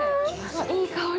◆いい香り。